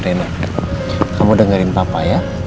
kamu dengerin papa ya